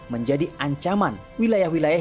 menjadi ancaman wilayah wilayah